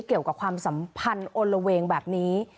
เกี่ยวกับความสัมพันธ์โอนละเวงแบบนี้